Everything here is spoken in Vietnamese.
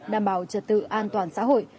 đảm bảo trật tự an toàn xã hội